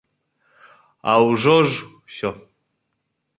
А ўжо ж усе.